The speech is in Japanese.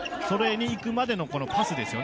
それにいくまでのパスですよね。